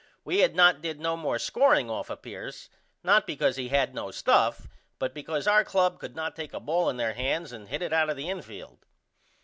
We had not did no more scoreing off of Pierce not because he had no stuff but because our club could not take a ball in there hands and hit it out of the infield.